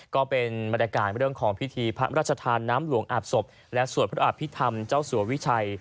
ก็เป็นบรรยากาศเรื่องของพิธีพระราชทานน้ำหลวงอาบศพและสวดพระอภิษฐรรมเจ้าสัววิชัย